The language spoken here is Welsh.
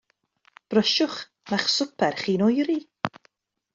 Brysiwch, mae'ch swper chi'n oeri.